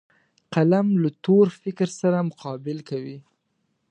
قلم له تور فکر سره مقابل کوي